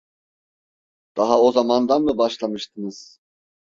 Daha o zamandan mı başlamıştınız?